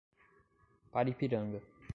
Paripiranga